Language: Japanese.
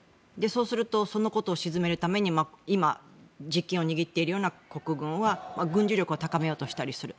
そうするとそのことを鎮めるため実権を握っているような国軍は軍事力を高めようとする。